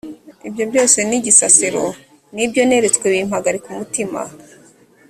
ibyo byose n’igisasiro ni byo neretswe bimpagarika umutima